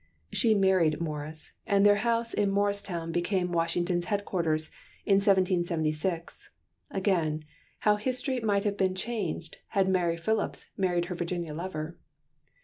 She married Morris, and their house in Morristown became Washington's headquarters, in 1776 again, how history might have been changed had Mary Philipse married her Virginia lover!